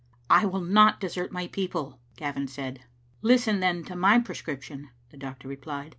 " I will not desert my people," Gavin said, "Listen, then, to my prescription," the doctor re plied.